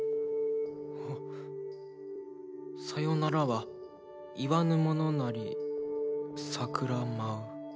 「さよならは言わぬものなりさくら舞う」。